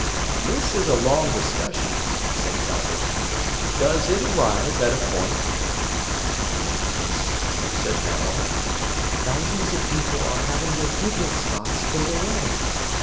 "This is a long discussion," said Calhoun. "Does it arrive at a point?" "It does," said Maril. "Thousands of people are having their pigment spots fade away.